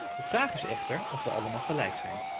De vraag is echter of we allemaal gelijk zijn.